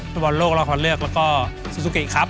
ส่วนระยะเวลาก็คือ